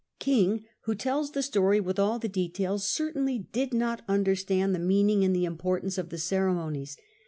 King, who tells the story with all the details, certainly did not understand the meaning and the importance of the ceremonies.